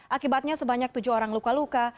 akibatnya sebanyak tujuh orang luka luka